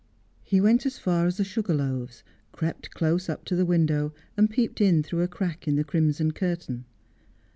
He went as far as the ' Sugar Loaves,' crept close up to the window, and peeped in through a crack in the crimson curtain.